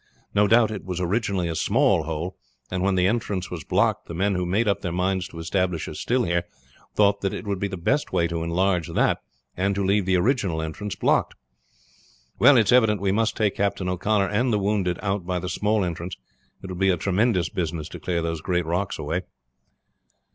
No doubt it was originally a small hole, and when the entrance was blocked the men who made up their minds to establish a still here thought that it would be the best way to enlarge that and to leave the original entrance blocked. "Well, it's evident we must take Captain O'Connor and the wounded out by the small entrance. It would be a tremendous business to clear those great rocks away."